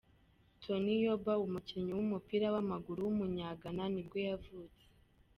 Tony Yeboah, umukinnyi w’umupira w’amaguru w’umunyagana nibwo yavutse.